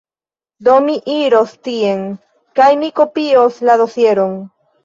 Do mi iros tien, kaj mi kopios la dosieron.